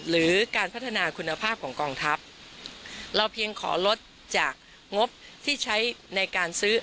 หรือการพัฒนาคุณภาพของกองทัพเราเพียงขอลดจากงบที่ใช้ในการซื้อ